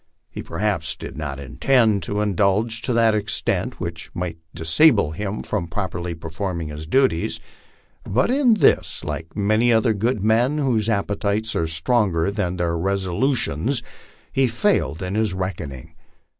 He, perhaps, did not intend to indulge to that extent which might disable him from properly performing his duties ; but in this, like many other good men whose appetites are stronger than their resolutions, he failed in his reckoning.